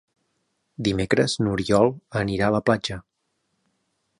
Dimecres n'Oriol anirà a la platja.